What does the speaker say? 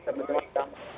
dan begitu saja